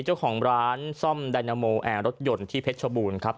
เจ้าของร้านซ่อมไดนาโมแอร์รถยนต์ที่เพชรชบูรณ์ครับ